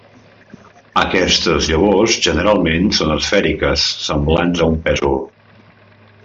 Aquestes llavors generalment són esfèriques semblants a un pèsol.